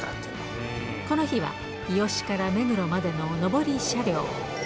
この日は日吉から目黒までの上り車両。